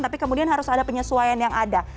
tapi kemudian harus ada penyesuaian yang ada